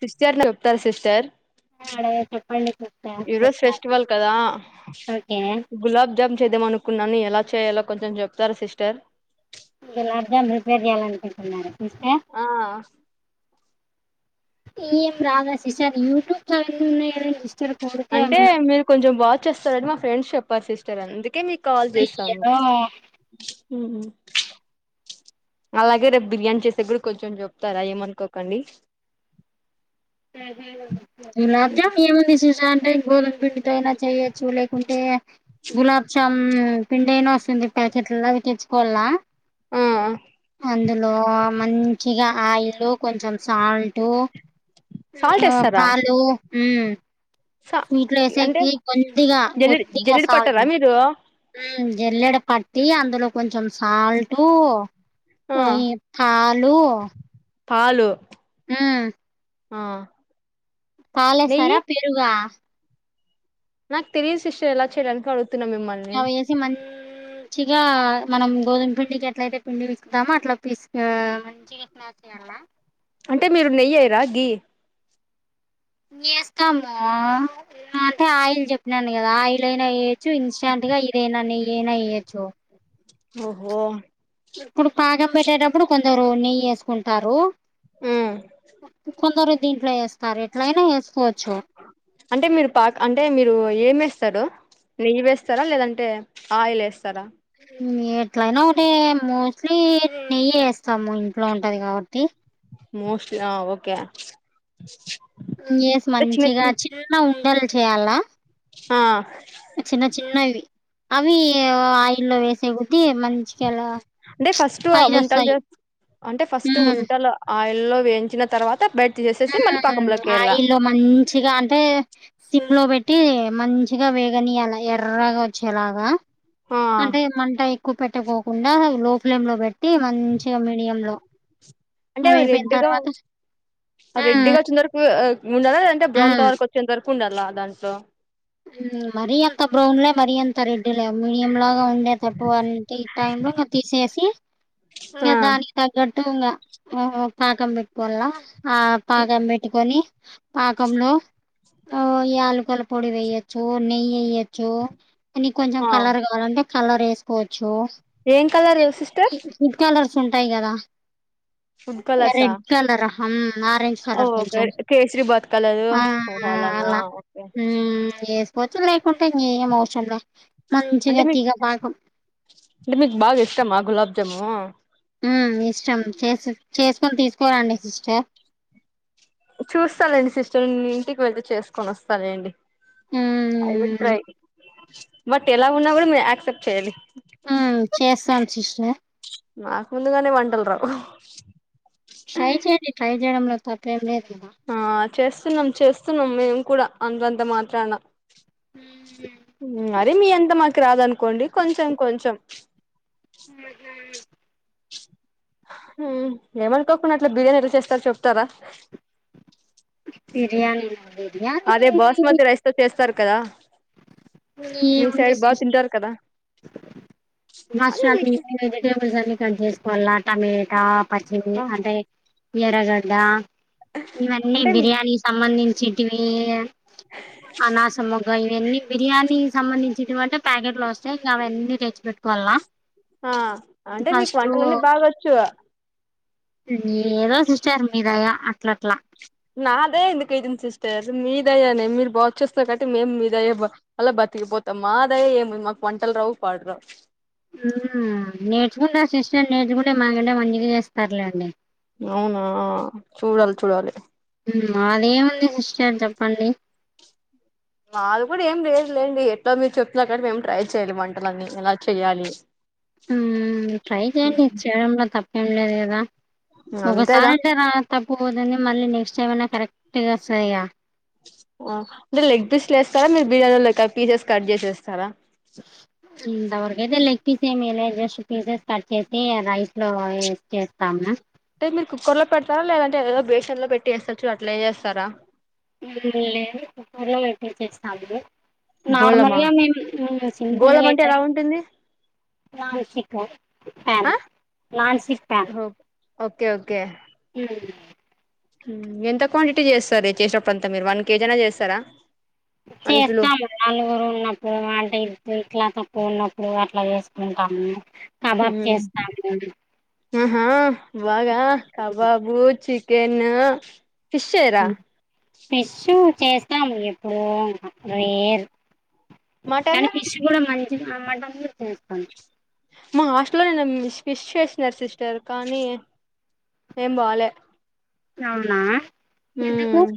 Sister ను చెప్తారు sister అడ చెప్పండి సిస్టర్ ఈ రోజు చెప్తా ఫెస్టివల్ కదా ఓకే గులాబ్జామ్ చేద్దాం అనుకున్నాను ఎలా చేయాలో కొంచెం చెప్తార సిస్టర్ గులాబ్జామ్ నీ ప్రిపేర్ చెయ్యాలనుకుంటున్నార సిస్టర్ ఆ ఏం రావా సిస్టర్ యూట్యూబ్ ఛానెల్ ఉన్నాయి కదా అంటే మీరు కొంచెం బాగా చేస్తారని మా ఫ్రెండ్స్ చెప్పారు సిస్టర్ అందుకే మీక్ కాల్ చేసాము అయ్యో మ్మ్ హ్మ్ అలాగే రేపు బిర్యానీ చేసే కూడా కొంచెం చెప్తారా ఏమనుకోకండి హ్మ్ హు గులాబ్జామ్ ఏముంది చూశ అంటే గోధుమ పిండితో అయినా చెయొ చు లేకుంటే గులాబ్ జామ్ పిండి అయినా వస్తుంది ప్యాకెట్లవి తెచ్ కొన్నా ఆఁ అందులో మంచిగా ఆయిల్ కొంచెం సాల్టు సాల్ట్ యు వేస్తారా పాలు ఉ సా స్వీట్ లో అంటే ఏసేకి కొద్దిగా జల్లిడి కొద్దిగా జల్లిడి పట్టారా సాల్టు మీరు హ్మ్ ఎల్లడు కట్టి అందులో కొంచెం సాల్టు ఆ ఓ పాలు పాలు ఉ ఆ నెయ్యి పాలేస్తరా, పెరుగా? నాకు తెలియదు సిస్టర్ ఎలా చేయడానికి అడుగుతున్నా మిమ్మల్ని అవేసి మంచిగా మనం గోధుమ పిండికి ఎట్లయితే పిండి తీసుకుతామో అట్లా పసు మంచిగా ఏ చేయాల అంటే మీరు నెయ్యి చెయ్యరా గీ ఏస్తాము అంటే ఆయిల్ చెప్పినను కదా ఆ ఆయిల్ అయినా ఎయొచ్చు ఇన్ష అందుగా ఇదేనా నేయి ఆయన ఏయొచు ఓహో ఇప్పుడు పాకం పెట్టేటప్పుడు కొందరు నెయ్యి ఏసుకుంటారు మ్మ్ కొందరు దీంట్లో ఏస్తారు ఎట్లయినా ఏస్ అంటే మీరు పాక్ అంటే మీరు ఏమస్తారు నెయ్యి వేస్తారా లేదంటే ఆయిల్ ఎస్తారా యీ ఎట్లనా ఒకంటె మోస్ట్లీ నెయ్యి సము ఇంట్లో ఉంటది గబట్టి మోస్ట్లీ ఆ ఓకే ఎస్ మంచిగా చిన్న ఉండలు చేయల్లా ఆ చిన్న చిన్నవి అవి ఆయిల్ల్లో వేసే కీ మంచికెలా అంటే ఫస్ట్ ఉంటలు చేస్ అంటే ఫస్ట్ ఉమ్, ఉంటలు ఆయిల్లో వేయించిన తర్వాత బె ఉ ఆయిల్లో మంచిగా అంటే సిమ్ లో పెట్టి మంచి మచ్చగా వేగని అలా ఎర్రగా వచ్చేలాగా ఆ అంటే మంట ఉక్కు పెట్టకోకుండా లో ఫ్లేమ్ లో పెట్ మంచిగా మీడియ లో, అంటే అవి అయిపోయిన రెడ్ గా తర్వాత రెడ్ గా ఉమ్ వచ్చేంత వరకు ఉండాలా, లేదంటే బ్రౌన్ ఉమ్ కలర్ వచ్చేంత వరకు ఉండాలా దాంట్లో. మరీ అంత బ్రౌన్లే మరీ అంత రెడ్ మీడియం లాగా ఉండేటట్టు అంటే టైమ్ లో తీసేసి ఇక ఆ దాని తగ్గట్టు ఇంగ పాకం పెట్టుకోవాల్ ఆ పాకం పెట్టుకొని పాకంలో ఈ యాలుకుల పొడి వేయచ్చు చ్చు నెయ్యి ఎయ్యొచ్చు అని కొంచెం ఆ కలర్ కావాలంటే కలర్ వేసుకోచ్చు ఏం కలర్ సిస్టర్ స్ ఉంటాయి కదా, ఫుడ్ కలర్సా రెడ్ కలర్ హామ్ ఆరెంజ్ ఓ కలర్ ఓకే కొంచం కేసరి బాత్ కలరు ఆ ఓ అలానా అలా ఓకే హుమ్ చేసుకోచ్చు లేకుంటే ఇంగేం అవసరంలే అంటే మీకు, అంటే మీకు బాగా ఇష్టమా గులాబ్ జాము. హ్మ్మ్ ఇష్టం చేస్ చేసుకొని తీసుకోలండి సిస్టర్ చూస్తాలేండి సిస్టర్ ఇంటికి వెళ్తే చేసుకొని వస్తాలేండి I will um try. But ఎలా ఉన్నా కూడా మీరు యాక్సెప్ట్ చేయాలి హ్మ్మ్ చేస్తాను సిస్టర్ నాకు ముందుగానే వంటలు రావు ట్రై చేయండి ట్రై చేయడంలో తప్పేం లేదు ఆ చేస్తున్నాం చేస్తున్నాం మేము కూడా అంతంత మాత్రాన మరి మీ అంతా మాకు రాదనుకోండి, కొంచెం కొంచెం. ఉహు హామ్ ఏమనుకోకుండా అట్లా బిర్యానీ ఎట్లా చేస్తారు చెప్తారా ఈజీఏ అన్ పి అదే బాస్ మతి రైస్ తో చేస్తారు కదా మీ ఏముంది సైడ్ బాగ్ తింటారు కదా మష్నల్ అని వేజి టేబుల్స్ అని కట్ చేసుకోవాల టమేటా, పర్చిమి, అంటే ఎర్రగడ్డ ఇవన్నీ అంటే బిర్యానీ సంబంధించిటివి ఈ అనాసమో ఇంకా ఇవన్నీ బిర్యానీ సంబంధించినవింటే, ప్యాకెట్లు వస్తాయి. ఇంకా అవన్నీ తెచ్చిపెట్టుకోవాలా ఆ అంటే మీకు వంటలన్నీ బాగొచ్చు. ఏదో సిస్టార్ మీ దయా అట్లా అట్లా. నా దయ ఎందుకు అయితంది సిస్టర్. మీదయ్యానే మీరు బాచ్చేస్తారు, కాట్టి మేము మీదయ అలా బతుక్, తికిపోతాం మా దయ ఏముంది మాకు పంటల రావు పాడరావు హుమ్ నేర్చుకుంటే ఆ సిస్టర్ నేర్చుకుంటే మాకంటే మంచిగా చేస్తారులేండి అవునా చూడాలి చూడాలి మాదేముంది సిస్టర్ చెప్పండి మాది కూడా ఏం లేదులేండి ఎట్లాగ్ మీరు చెప్తానర్ కాటి మేం ట్రై చేయ్యాలి వంటలన్నీ ఏలా చెయ్యాలి హ్మ్ ట్రై చేయండి చేయడంలో తప్పేం లేదు కదా ఒకసారి అంతేగా అయితే రా తప్పుపోద్దని మళ్ళీ నెక్స్ట్ టైమ్ అయినా కరెక్ట్గా ఓస్తాదిగా అంటే లెగ్ పీస్లు వేస్తారా మీరు బిర్యానీలో పీసెస్ కట్ చేసి ఏస్తారా ఇంతవరకైతే లెగ్ పీసేమెయలే జస్ట్ పీసెస్ కట్ చేసి రైస్ లో ఏసీ చేస్తాము టే మీరు కుక్కర్ లో పెడతారా లేదంటే ఏదో బేషన్ లో పెట్టి వేస్తారు చూడ్ అట్లా ఏసేస్తారా లేదు కుక్కర్లో పెట్టే చేస్తాము గోళమా నార్మల్గా మేము [inaudible] సింపుల్గా గోళం అంటే ఎలా అయిదని ఉంటుంది నాన్ స్టిక్ ప్యాన్ ప్యాన్ ఆ non stick pan okay okay హ్మ్ ఎంత క్వాంటిటీ చేస్తారు చేసినప్పుడంతా మీరు వన్ కేజీ అయిన చేస్తారా వన్ కిలో చేస్తాము నలుగురు ఉన్నప్పుడు వంట ఇద్ ఇట్లాతే ఉన్నప్పుడు అట్లా చేసుకుంటాము కబాబ్ చేస్తాము ఆహా బాగా కబాబు చికెను హ్ ఫిషూ చేస్తాము ఎప్పుడో రేర్ మటన్ కానీ పిష్ కూడా మంచిగా అమ్మటం చేస్తాను మా హాస్టల్ లో నిన్ను ఫిష్ చేసినారు సిస్టర్ కానీ ఏం బాలే అవునా ఎందుకు ఉమ్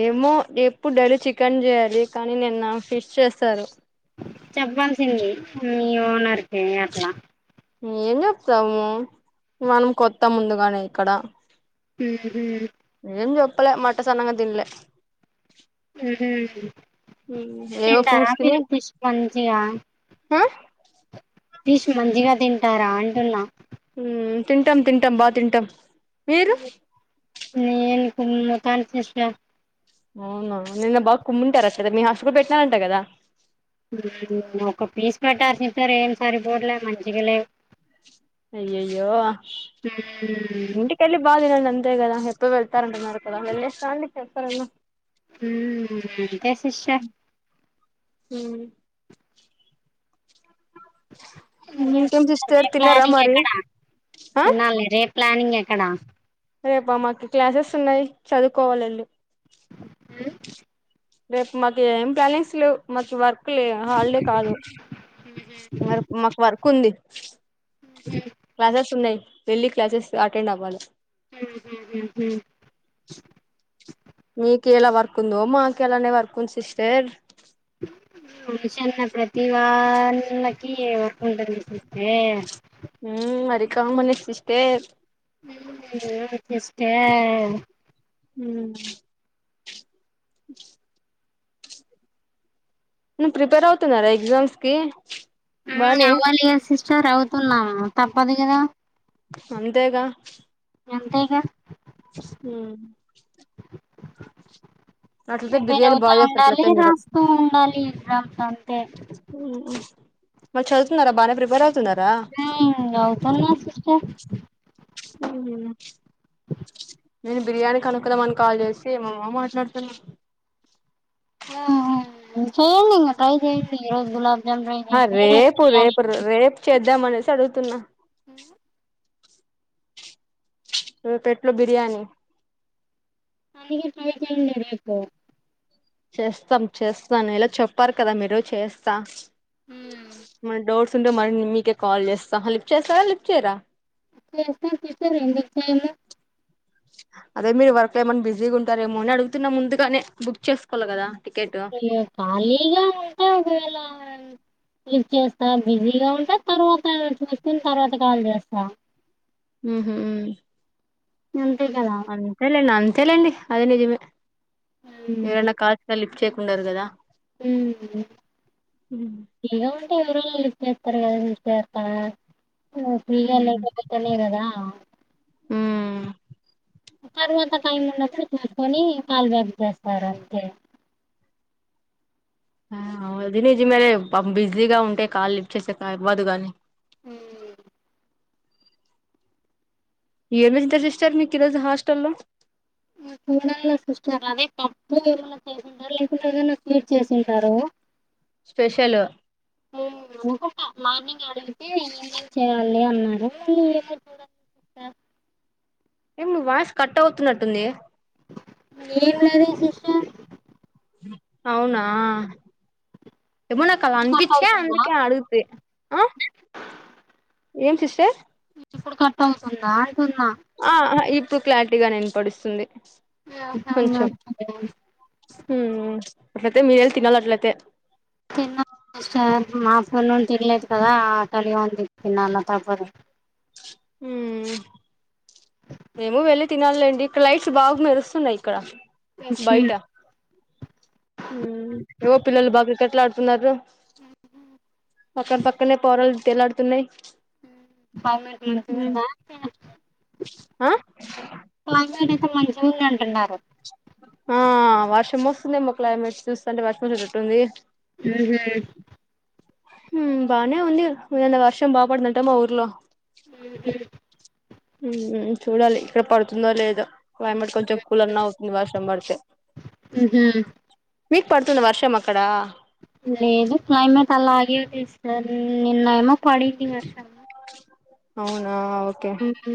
ఏమో ఎప్పుడు డైలీ చికెన్ చేయాలి కానీ నిన్న ఫిష్ చేసారు చెప్పాల్సింది మీ ఓనర్ కి అట్లా ఏం చెప్తాము మనం కొత్తా ముందుగానే ఇక్కడ ఉహు అప్పలే మట్ట సన్నంగా తిన్లే ఉహు ఏవో తింటారా ఫ్రూట్స్ తిని మీరు ఫిష్ మంచిగా ఆ ఫిష్ మంచిగా తింటారా అంటున్నా హ్మ్ తింటాం తింటాం బా తింటాం మీరు ఉ కాద్ సిస్టర్ అవునా నిన్న బాగ్ కుమ్ముంటార మీ హాస్టల్ లో పెట్టినారాంటా కదా ఒక పీస్ పెట్టార్ సిస్టర్ ఏం సరిపోట్లే మంచిగా లేవ్ అయ్యయ్యో హ్మ్. ఇంటికేళ్లి బాతినండి అంతేగదా ఎప్పుడు వెళ్తారంటున్నారు కదా వెళ్లేేసిరండి చెప్తారన్న హ్మ్ మ్ తే సిస్టర్ హ్ డే ఇంకేం సిస్టర్ తిన్నారా ప్లానింగ్ మరి ఎక్కడా ఆ న్నలే రెప్ ప్లానింగ్ ఎక్కడ రేపా మాకి క్లాసెస్ ఉన్నాయి చదువుకోవాలాండి హ్మ్ రేప్ మాకి ఏం ప్లానింగ్స్ లేవ్ మకి వర్క్ కులే హాలిడే కాదు మర్ మాకు వర్క్ ఉంది హ్మ్. క్లాసెస్ ఉన్నాయి వెళ్ళి క్లాసెస్ అటెండ్ అవ్వాలి హ్మ్. హ్మ్. హ్మ్. మీకు ఎలా వర్క్ ఉందో మాకు ఎలానే వర్క్ ఉంది సిస్టర్ ఉహ చిన్న ప్రతి వాళ్ళకి ఏవోటి ఉంటుంది చూస్తే ఉ అది కామనే సిస్టర్ అస్తే హ్మ్మ్ ను ప్రిపేర్ అవుతున్నారా ఎగ్జామ్స్ కి హ్మ్మ్ బానే అవ్వాలిగా సిస్టర్ అవుతున్నా తప్పదు కదా అంతేగా అంతేగా హ్మ్మ్ బిర్యానీ తిరుగుతూ బాగా చేస్తారు ఉండాలి అట్లయితే మీరు రాస్తూ ఉండాలి ఎగ్జామ్స్ అంతే మరి చదువుతున్నారా బానే ప్రిపేర్ అవుతు ఆ అవుతుంద్లే సిస్టర్ ఉహ్ నేను బిర్యానీ కనుకుదామని కాల్ చేసి ఏమేమో మాట్లాడుతున్నా కి ట్రై చేయి ఈరోజు గులాబ్ జామ్ ట్రై ఆ చేయండి రేపు రేపు రేపు చేద్దాం అనేసి అడుగుతున్నా హ్మ్మ్ వే పెట్లు బిర్యానీ [inaudible] చేస్తాం చేస్తాను ఇలా చెప్పారు కదా మీరు చేస్తా ఏమన డౌట్స్ ఉంటే మరి మీకే కాల్ చేస్తా లిఫ్ట్ చేస్తారా లిఫ్ట్ చేయరా చేస్తాం సిస్టర్ ఎందుకు చేయరు అదే మీరు వర్క్ ఏమని బిజీగా ఉంటారేమో అని అడుగుతున్నా ముందుగానే బుక్ చేస్ అయ్యో ఖాలీగా ఉంటె ఒకవేళ లిఫ్ట్ చేస్తా బిజీగా ఉంటా తర్వాత చూసుకుని తర్వాత కాల్ చేస్తా ఆహా అం అంతేలేండి అంతేలేండి అది నిజమే ఎవరన్నా కాల్ చే చేయకుండరు కదా హ్మ్ ఇగో ఎవరో లిఫ్ట్ చేస్తారు గద మీరు చేస్తా ఫ్రీగా లేకపోతేనే గదా ఉమ్ తర్వాత టైం ఉన్నప్పుడు చూసుకొని కాల్ బ్యాక్ చేస్తారు అంతే ఆ అది నిజమేలే పాపం బిజీగా ఉంటే కాల్ లిఫ్ట్ చేసేకవ్వదు కానీ హ్మ్ ఏం వేజిటర్ చేస్తరు మీకు ఈ రోజు హాస్టల్ల్లో చూడాల సిస్టర్ అదే పప్పు ఏమనా చేసింటారు లేకుంటే ఏదనా స్వీట్ చేసింటారు స్పెషల్ ఆ అనుకుంట మార్నింగ్ అంటే ఏమేం చేయాలి అన్నారు ఏమో వాయిస్ కట్ అవుతున్నట్టుంది ఏం లేదే సిస్టర్ అవునా ఏమో నాకలా కట్ అనిపించే అవుతుందా అందుకే అడుగుతి ఆ ఏం సిస్టర్ ఇప్పుడు కట్ అవుతుందా అంటున్నా ఆ అ ఇప్పుడు క్లారిటీగానే వినపడుతుంది కొంచం హ్మ్ హ్మ్మ్ అట్లయితే మీరెళ్ళి తినాలి అట్లయితే తిన్న ఆఫ్టర్నూన్ తినలేదు కదా ఆకలిగా ఉంది తినాల తప్పదు హ్మ్ మేము వెళ్ళి తినాల్లెండి ఇక్కడ లైట్స్ బాగు మెరుస్తున్నాయి ఇక్కడ బయట హ్మ్ ఏవో పిల్లలు బాగ క్రికెట్లు ఆడుతున్నారు పక్కన పక్కనే పోరలు తేలాడుతున్నాయ్ [unintelligible] స్వామి ఆ వారైతే మంచిగుందంటున్నారు ఆ వర్షం వస్తుందేమో క్లైమేట్ చూస్తంటే వర్షం వచ్చేటట్టుంది హ్మ్ హు హ్మ్ బానే ఉంది నిన్న వర్షం బాపడిదంట మా ఊర్లో హ్మ్ హ్ హ్మ్ చూడాలి ఇక్కడ పడుతుందో లేదో క్లైమేట్ కొంచెం కూలన్న అవుతుంది వర్షం పడితే ఊహూ మీకు పడుతుంద వర్షం అక్కడా లేదు క్లైమేట్ అలాగే తీసారు నిన్న ఏమో పడింది వర్షం అవున హ్మ్ హు